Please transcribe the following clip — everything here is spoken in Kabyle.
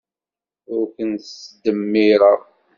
Ur ken-ttdemmireɣ.